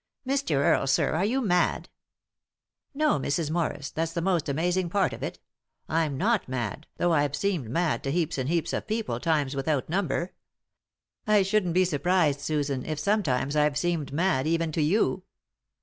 " Mr. Earle, sir, are you mad ?"" No, Mrs. Morris, that's the most amazing part of it; I'm not mad, though I've seemed mad to heaps and heaps of people times without number. I shouldn't be surprised, Susan, if sometimes I've seemed mad even to you."